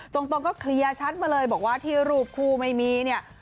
ตรงก็เคลียร์ชัดมาเลยบอกว่าที่รูปคู่ไม่มีเนี่ย